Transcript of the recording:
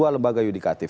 dua lembaga yudikatif